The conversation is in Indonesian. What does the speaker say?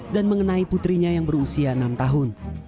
dan mengenai putrinya yang berusia enam tahun